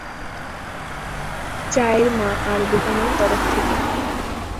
চাই-র মা আর বোহোমের তরফ থেকে।